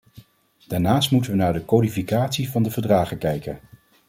Daarnaast moeten we naar de codificatie van de verdragen kijken.